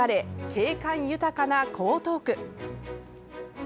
景観豊かな江東区。